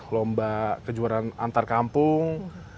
lomba kejuaraan antar kampung